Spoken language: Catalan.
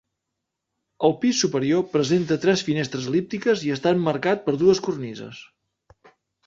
El pis superior presenta tres finestres el·líptiques i està emmarcat per dues cornises.